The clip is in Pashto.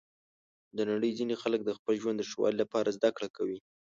د نړۍ ځینې خلک د خپل ژوند د ښه والي لپاره زده کړه کوي.